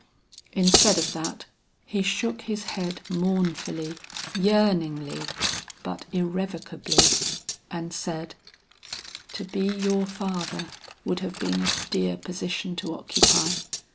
Instead of that he shook his head mournfully, yearningly but irrevocably, and said, "To be your father would have been a dear position to occupy.